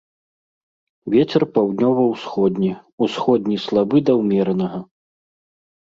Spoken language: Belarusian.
Вецер паўднёва-ўсходні, усходні слабы да ўмеранага.